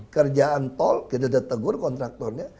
kerjaan tol kita ditegur kontraktornya